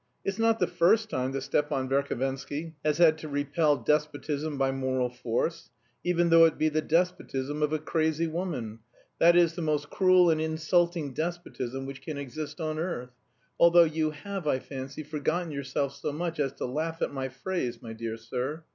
It's not the first time that Stepan Verhovensky has had to repel despotism by moral force, even though it be the despotism of a crazy woman, that is, the most cruel and insulting despotism which can exist on earth, although you have, I fancy, forgotten yourself so much as to laugh at my phrase, my dear sir!